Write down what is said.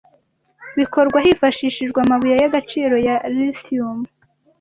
bikorwa hifashishijwe amabuye y’agaciro ya Lithium